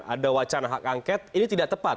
ada wacana hak angket ini tidak tepat